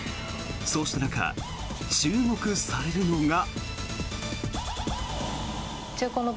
そうした中、注目されるのが。